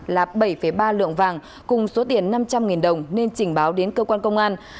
là bảy ba lượng vàng cùng số tiền năm trăm linh đồng nên trình báo đến cơ quan công an